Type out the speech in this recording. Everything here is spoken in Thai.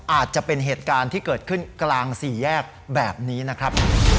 อาจจะเป็นเหตุการณ์ที่เกิดขึ้นกลางสี่แยกแบบนี้นะครับ